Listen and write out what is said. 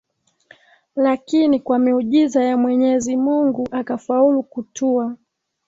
lakini kwa miujiza ya Mwenyezi Mungu akafaulu kutua